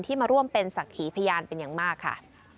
มาร่วมเป็นศักดิ์ขีพยานเป็นอย่างมากค่ะ